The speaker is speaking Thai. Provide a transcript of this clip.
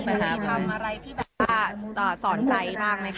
ขอถามอะไรสนใจบ้าง